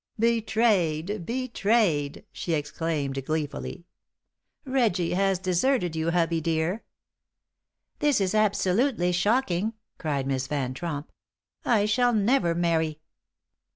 "Betrayed! betrayed!" she exclaimed, gleefully. "Reggie has deserted you, hubbie dear." "This is absolutely shocking!" cried Miss Van Tromp. "I shall never marry."